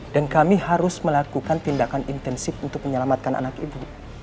dan kami harus melakukan tindakan intensif untuk menyelamatkan anak ibu